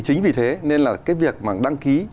chính vì thế nên là cái việc mà đăng ký